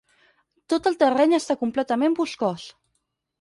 Tot el terreny està completament boscós.